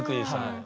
はい。